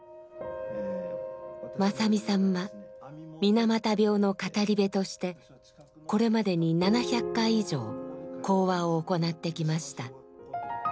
正実さんは水俣病の語り部としてこれまでに７００回以上講話を行ってきました。